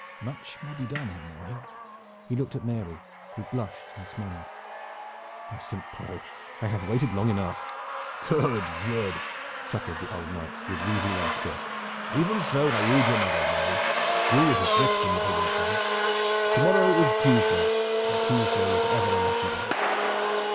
"Much may be done in a morning." He looked at Mary, who blushed and smiled. "By Saint Paul! I have waited long enough." "Good, good!" chuckled the old knight, with wheezy laughter. "Even so I wooed your mother, Mary. Wooers were brisk in the olden time. To morrow is Tuesday, and Tuesday is ever a lucky day.